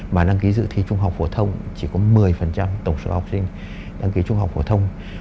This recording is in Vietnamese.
mà đăng ký dự thi trung học phổ thông chỉ có một mươi tổng số học sinh đăng ký trung học phổ thông